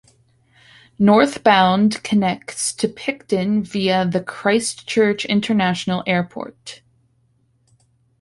Northbound connects to Picton via the Christchurch International Airport.